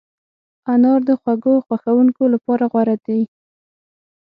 انار د خوږو خوښونکو لپاره غوره دی.